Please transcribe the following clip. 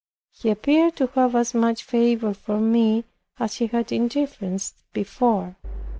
He appeared to have as much favour for me as he had of indifference before.